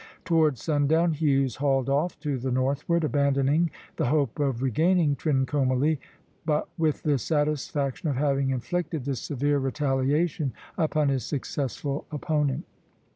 Toward sundown Hughes hauled off to the northward, abandoning the hope of regaining Trincomalee, but with the satisfaction of having inflicted this severe retaliation upon his successful opponent.